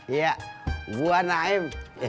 iya gua naim